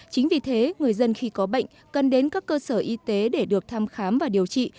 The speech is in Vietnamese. chính vì thế người dân khi có bệnh cần đến các cơ sở y tế để được thăm khám và điều trị